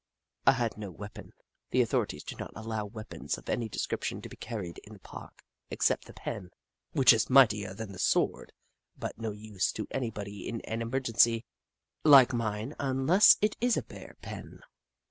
I had no weapon — the authorities do not allow weapons of any description to be carried in the Park, except the pen, which is mightier than the sword, but no use to anybody in an emergency like mine unless it is a Bear pen.